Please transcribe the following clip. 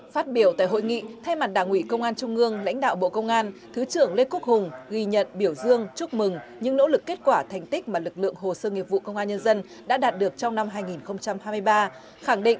phát biểu tại hội nghị thay mặt đảng ủy công an trung ương lãnh đạo bộ công an thứ trưởng lê quốc hùng ghi nhận biểu dương chúc mừng những nỗ lực kết quả thành tích mà lực lượng hồ sơ nghiệp vụ công an nhân dân đã đạt được trong năm hai nghìn hai mươi ba